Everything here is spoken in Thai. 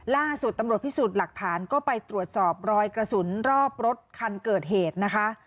ล่าสุดตำรวจพิสูจน์หลักฐานก็ไปตรวจสอบรอยกระสุนรอบรถคันเกิดเหตุนะคะ